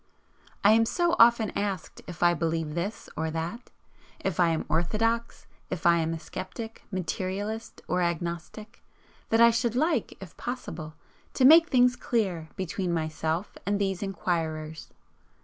I am so often asked if I believe this or that, if I am "orthodox," if I am a sceptic, materialist or agnostic, that I should like, if possible, to make things clear between myself and these enquirers.